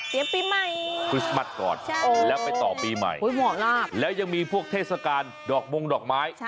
ปีใหม่คริสต์มัสก่อนแล้วไปต่อปีใหม่เหมาะลาบแล้วยังมีพวกเทศกาลดอกมงดอกไม้